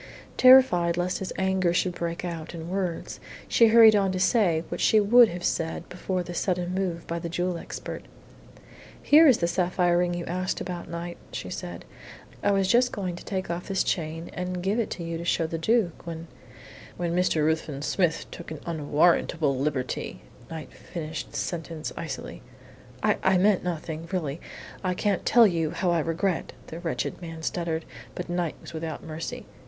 Terrified lest his anger should break out in words, she hurried on to say what she would have said before the sudden move by the jewel expert. "Here is the sapphire ring you asked about, Knight," she said. "I was just going to take off this chain and give it to you to show to the Duke when " "When Mr. Ruthven Smith took an unwarrantable liberty," Knight finished the sentence icily. "I I meant nothing. Really, I can't tell you how I regret " the wretched man stuttered. But Knight was without mercy.